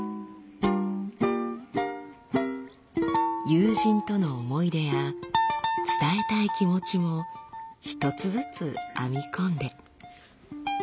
友人との思い出や伝えたい気持ちも一つずつ編み込んで。